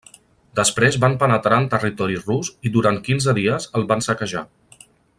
Després van penetrar en territori rus i durant quinze dies el van saquejar.